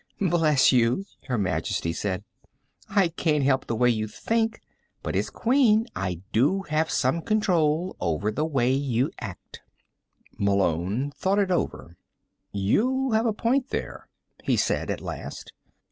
"Bless you," Her Majesty said, "I can't help the way you think, but, as Queen, I do have some control over the way you act." Malone thought it over. "You have a point there," he said at last.